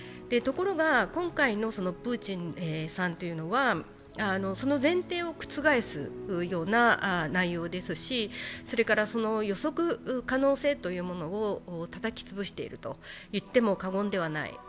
ところが、今回のプーチンさんというのは、その前提を覆すような内容ですし、予測可能性というものをたたき潰していると言っても過言ではない。